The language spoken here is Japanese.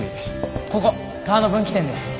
ここ川の分岐点です。